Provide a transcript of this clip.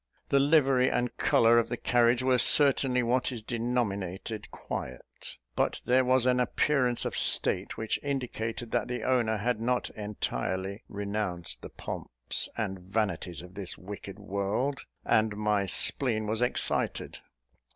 The livery and colour of the carriage were certainly what is denominated quiet; but there was an appearance of state which indicated that the owner had not entirely "renounced the pomps and vanities of this wicked world," and my spleen was excited.